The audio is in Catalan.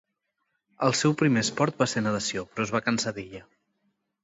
El seu primer esport va ser natació però es va cansar d'ella.